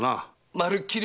まるっきり